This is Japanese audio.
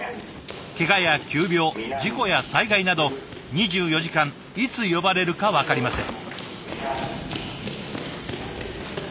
けがや急病事故や災害など２４時間いつ呼ばれるか分かりません。